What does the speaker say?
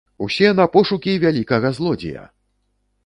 Усе на пошукі вялікага злодзея!